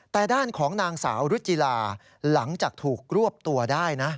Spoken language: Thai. แต่ด้านของนางสาวรุจิลาหลังจากถูกรวบตัวได้นะ